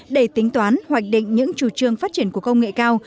để tính toán hoạch định những chủ trương phát triển của công nghệ cao